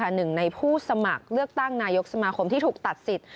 หนึ่งในผู้สมัครเลือกตั้งนายกสมาคมที่ถูกตัดสิทธิ